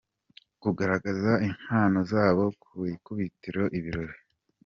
kugaragaza impano zabo Ku ikubitiro ibirori.